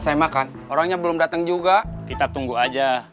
diminum atuh hobinya